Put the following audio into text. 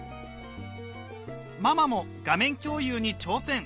ママも画面共有に挑戦！